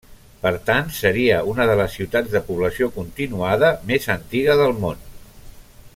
Per tant seria una de les ciutats de població continuada més antiga del món.